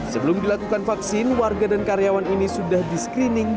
sebelum dilakukan vaksin warga dan karyawan ini sudah di screening